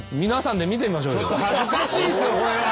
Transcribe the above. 恥ずかしいっすよそれは。